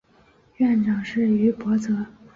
院长是于博泽。